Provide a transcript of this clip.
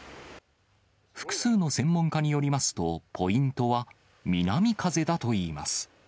複数の専門家によりますと、ポイントは南風だといいます。